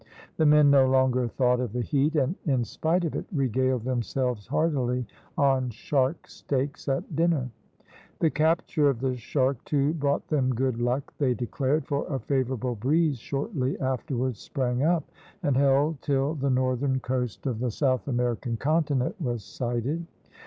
The men no longer thought of the heat, and, in spite of it, regaled themselves heartily on shark steaks at dinner. The capture of the shark, too, brought them good luck, they declared; for a favourable breeze shortly afterwards sprang up, and held till the northern coast of the South American continent was sighted.